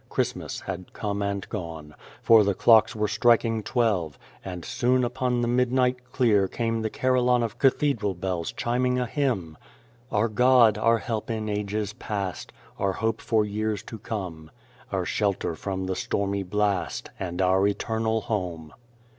Christ mas had come and gone, for the clocks were striking twelve, and soon upon the midnight clear came the carillon of cathedral bells chiming a hymn: Our God, our help in ages past, Our hope for years to come ; Our shelter from the stormy blast, And our eternal home.